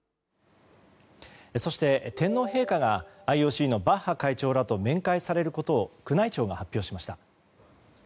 そして、天皇陛下がＩＯＣのバッハ会長らと面会されることを宮内庁が発表しました。